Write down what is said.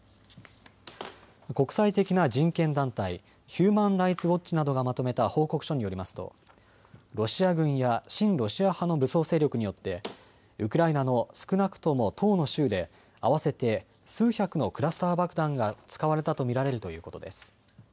国際的な人権団体、ヒューマン・ライツ・ウォッチなどがまとめた報告書によりますとロシア軍や親ロシア派の武装勢力によってウクライナの少なくとも１０の州で合わせて数百のクラスター爆弾が使われたと見られるということです。